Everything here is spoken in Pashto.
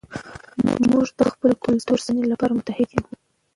موږ د خپل کلتور د ساتنې لپاره متحد یو.